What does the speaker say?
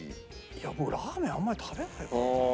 僕ラーメンあんまり食べないからな。